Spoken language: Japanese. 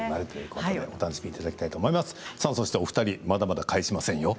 お二人まだまだ帰しませんよ。